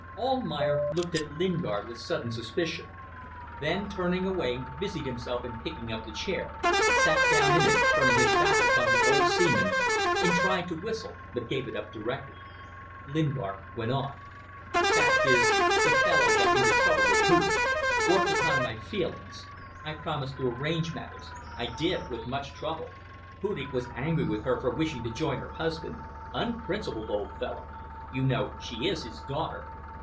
Almayer looked at Lingard with sudden suspicion, then turning away busied himself in picking up the chair, sat down in it turning his back upon the old seaman, and tried to whistle, but gave it up directly. Lingard went on "Fact is, the fellow got into trouble with Hudig. Worked upon my feelings. I promised to arrange matters. I did. With much trouble. Hudig was angry with her for wishing to join her husband. Unprincipled old fellow. You know she is his daughter.